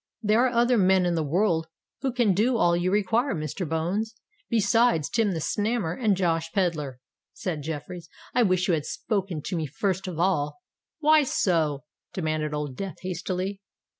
"There are other men in the world who can do all you require, Mr. Bones, besides Tim the Snammer and Josh Pedler," said Jeffreys. "I wish you had spoken to me first of all——" "Why so?" demanded Old Death, hastily.